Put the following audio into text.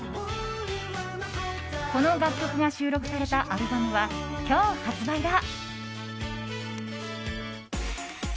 この楽曲が収録されたアルバムは今日発売だ。